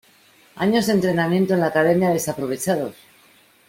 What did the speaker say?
¡ Años de entrenamiento en la academia desaprovechados!